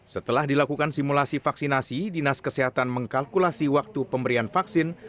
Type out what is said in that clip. setelah dilakukan simulasi vaksinasi dinas kesehatan mengkalkulasi waktu pemberian vaksin